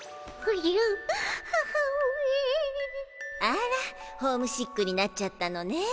あらホームシックになっちゃったのね。